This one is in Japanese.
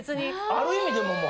ある意味でも。